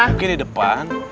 mungkin di depan